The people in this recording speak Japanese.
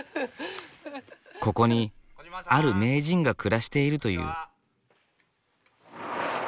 ここにある名人が暮らしているという。